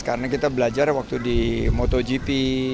karena kita belajar waktu di motogp